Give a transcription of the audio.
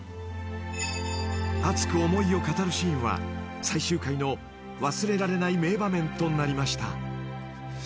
［熱く思いを語るシーンは最終回の忘れられない名場面となりました］